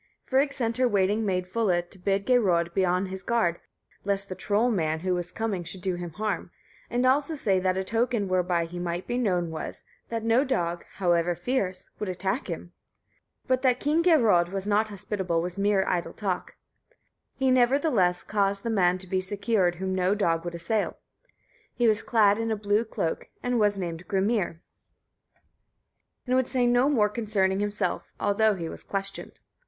Frigg sent her waiting maid Fulla to bid Geirröd be on his guard, lest the trollmann who was coming should do him harm, and also say that a token whereby he might be known was, that no dog, however fierce, would attack him. But that King Geirröd was not hospitable was mere idle talk. He, nevertheless, caused the man to be secured whom no dog would assail. He was clad in a blue cloak, and was named Grimnir, and would say no more concerning himself, although he was questioned.